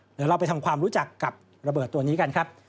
เดี๋ยวเราไปทำความรู้จักกับระเบิดตัวนี้กันครับ